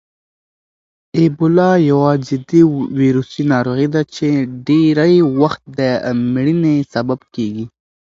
اېبولا یوه جدي ویروسي ناروغي ده چې ډېری وخت د مړینې سبب کېږي.